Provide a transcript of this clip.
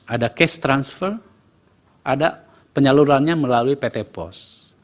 ada case transfer ada penyalurannya melalui pt pos